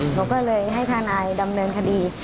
มากค่ะผมก็เลยให้ทางนายดำเนินคดี